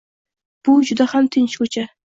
Bu juda ham tinch ko'cha.